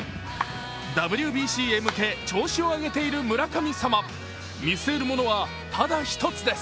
ＷＢＣへ向け調子を上げている村神様見据えるものは、ただ１つです。